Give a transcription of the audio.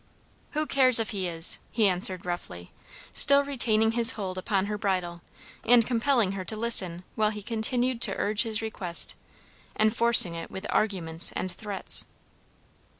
"Who cares if he is!" he answered roughly, still retaining his hold upon her bridle, and compelling her to listen while he continued to urge his request; enforcing it with arguments and threats.